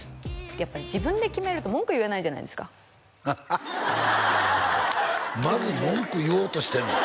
やっぱり自分で決めると文句言えないじゃないですかまず文句言おうとしてんの？